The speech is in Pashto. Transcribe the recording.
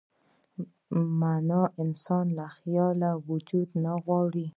معنی انسان له خالي وجود نه ژغوري.